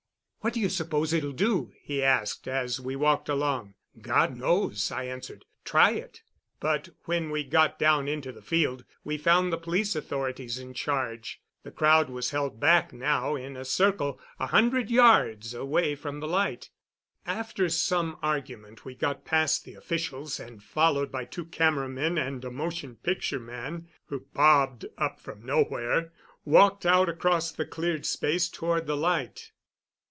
"What do you suppose it'll do?" he asked as we walked along. "God knows," I answered. "Try it." But when we got down into the field we found the police authorities in charge. The crowd was held back now in a circle, a hundred yards away from the light. After some argument we got past the officials, and, followed by two camera men and a motion picture man who bobbed up from nowhere, walked out across the cleared space toward the light.